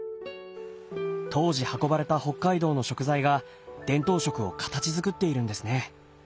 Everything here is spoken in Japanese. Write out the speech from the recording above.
当時運ばれた北海道の食材が伝統食を形づくっているんですね。